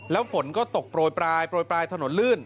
แล้วฝนก็ตกโปรยปลายโปรยปลายถนนลื่น